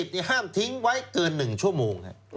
๘๑๐นี่ห้ามทิ้งไว้เกิน๑ชั่วโมงครับ